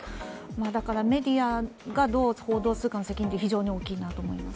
だから、メディアがどう報道するかの責任は非常に多いなと思います。